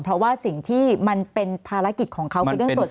เพราะว่าสิ่งที่มันเป็นภารกิจของเขา